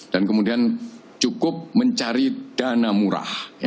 dan kemudian cukup mencari dana murah